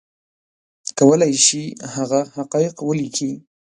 کولی شي هغه حقایق ولیکي